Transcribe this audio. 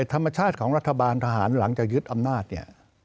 ธรรมชาติของรัฐบาลทหารหลังจากยึดอำนาจเนี่ย